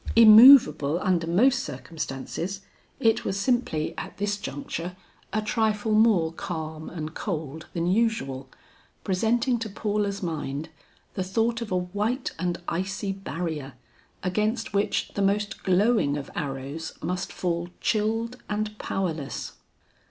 Immovable under most circumstances, it was simply at this juncture a trifle more calm and cold than usual, presenting to Paula's mind the thought of a white and icy barrier, against which the most glowing of arrows must fall chilled and powerless.